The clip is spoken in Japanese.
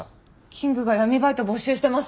キングが闇バイト募集してます。